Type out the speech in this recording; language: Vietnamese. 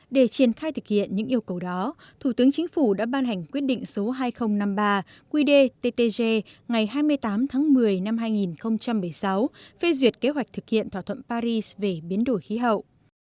để triển khai thực hiện những yêu cầu đó thủ tướng chính phủ đã ban hành quyết định số hai nghìn năm mươi ba qdttg ngày hai mươi tám tháng một mươi năm hai nghìn một mươi sáu phê duyệt kế hoạch thực hiện thỏa thuận paris về biến đổi khí hậu